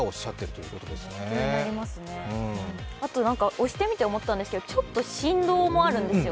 押してみて思ったんですけど、ちょっと振動もあるんですよ。